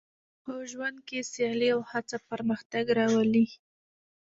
په ژوند کې سیالي او هڅه پرمختګ راولي.